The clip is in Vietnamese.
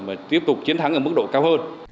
và tiếp tục chiến thắng ở mức độ cao hơn